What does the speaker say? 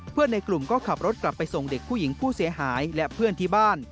ในกลุ่มก็ขับรถกลับไปส่งเด็กผู้หญิงผู้เสียหายและเพื่อนที่บ้าน